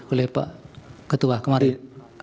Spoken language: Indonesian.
oleh pak ketua kemarin